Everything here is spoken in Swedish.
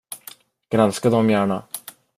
Granska dem gärna.